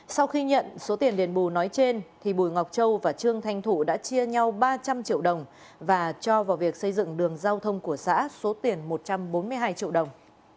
sau khi nhận số tiền đền bù nói trên bùi ngọc châu và trương thanh thủ đã chia nhau ba trăm linh triệu đồng và cho vào việc xây dựng đường giao thông của xã số tiền một trăm bốn mươi hai triệu đồng